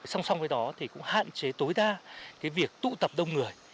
song song với đó thì cũng hạn chế tối đa việc tụ tập đông người